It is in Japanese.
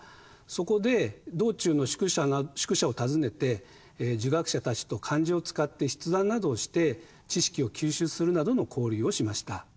そこで道中の宿舎を訪ねて儒学者たちと漢字を使って筆談などをして知識を吸収するなどの交流をしました。